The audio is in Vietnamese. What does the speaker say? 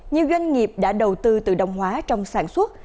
nhiều doanh nghiệp đã đầu tư tự động hóa trong sản xuất